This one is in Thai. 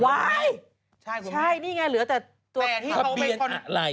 ไว้ใช่นี่ไงเหลือแต่ตัวทัพเบี้ยนอะไร